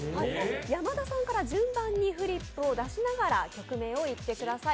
山田さんから順番にフリップを出しながら曲名を言ってください。